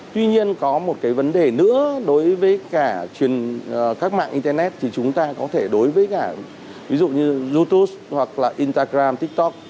tuy nhiên có một cái vấn đề nữa đối với cả các mạng internet thì chúng ta có thể đối với cả ví dụ như youtube hoặc là instagram tiktok